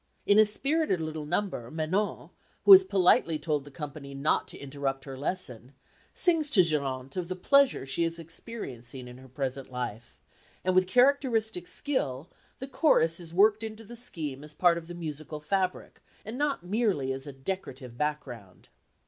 In a spirited little number Manon, who has politely told the company not to interrupt her lesson, sings to Geronte of the pleasure she is experiencing in her present life, and with characteristic skill the chorus is worked into the scheme as part of the musical fabric, and not merely as a decorative background.